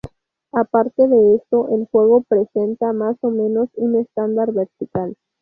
Aparte de esto, el juego presenta más o menos un estándar vertical.